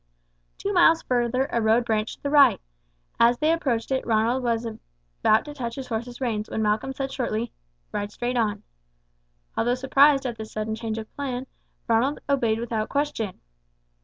Two miles further a road branched to the right. As they approached it Ronald was about to touch his horse's rein, when Malcolm said shortly, "Ride straight on." Although surprised at this sudden change of plan, Ronald obeyed without question.